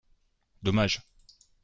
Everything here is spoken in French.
Dommage